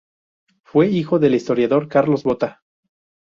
Fue hijo del historiador Carlo Botta.